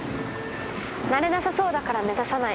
なれなさそうだから目指さない。